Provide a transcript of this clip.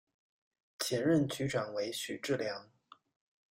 前任局长为许志梁。